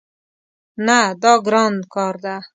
نه، دا ګران کار ده